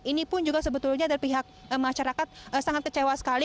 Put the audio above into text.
ini pun juga sebetulnya dari pihak masyarakat sangat kecewa sekali